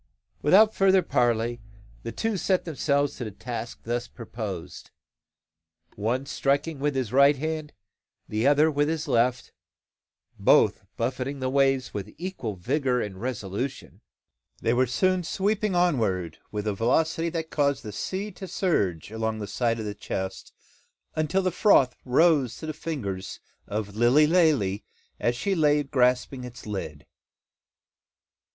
Without further parley, the two set themselves to the task thus proposed; and one striking with his right hand, the other with his left, both buffeting the waves with equal vigour and resolution, they were soon sweeping onward with a velocity that caused the sea to surge along the sides of the chest, until the froth rose to the fingers of Lilly Lalee as she lay grasping its lid!